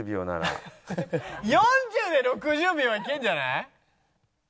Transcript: ４０で６０秒はいけるんじゃない？